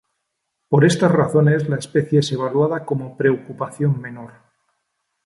Por estas razones, la especie es evaluada como "preocupación menor".